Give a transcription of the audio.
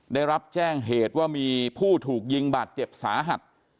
ได้รับแจ้งเหตุว่ามีผู้ถูกยิงบาดเจ็บสาหัส